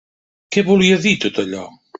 Què volia dir tot allò?